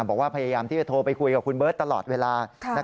พยายามที่จะโทรไปคุยกับคุณเบิร์ตตลอดเวลา